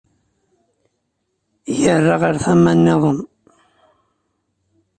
Yerra ɣer tama nniḍen.